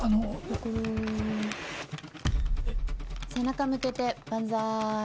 背中向けてバンザイ。